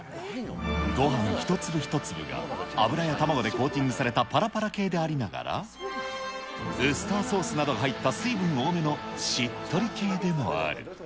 ごはん一粒一粒が、油や卵でコーティングされたぱらぱら系でありながら、ウスターソースなど入った水分多めのしっとり系でもある。